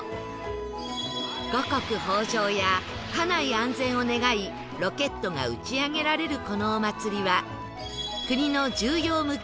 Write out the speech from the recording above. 五穀豊穣や家内安全を願いロケットが打ち上げられるこのお祭りは国の重要無形民俗